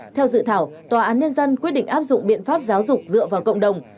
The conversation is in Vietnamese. theo dự thảo tòa án nhân dân quyết định áp dụng biện pháp giáo dục dựa vào cộng đồng